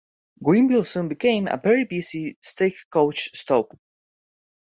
Greenville soon became a very busy stagecoach stop.